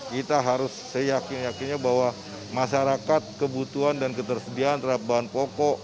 kita harus seyakin yakinnya bahwa masyarakat kebutuhan dan ketersediaan terhadap bahan pokok